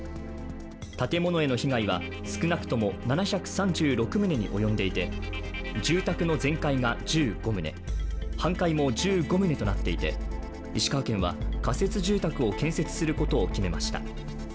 建物への被害は少なくとも７３６棟に及んでいて住宅の全壊が１５棟、半壊も１５棟となっていて、石川県は仮設住宅を建設することを決めました。